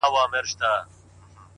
ټول جهان له ما ودان دی نه ورکېږم٫